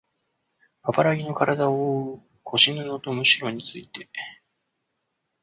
パパラギのからだをおおう腰布とむしろについて